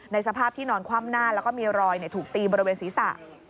สภาพที่นอนคว่ำหน้าแล้วก็มีรอยถูกตีบริเวณศีรษะ